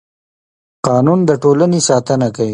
قانون د ټولنې ساتنه کوي